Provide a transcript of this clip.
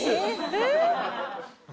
「えっ！」